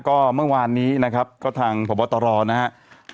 ก็เมื่อวานนี้นะครับก็ทางพบตรนะครับ